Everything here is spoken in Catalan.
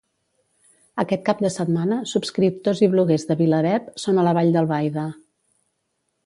Aquest cap de setmana, subscriptors i bloguers de Vilaweb són a la Vall d'Albaida.